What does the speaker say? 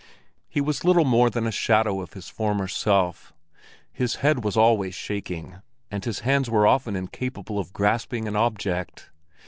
He was little more than a shadow of his former self, his head was always shaking, and his hands were often incapable of grasping an object.